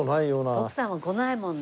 徳さんは来ないもんね。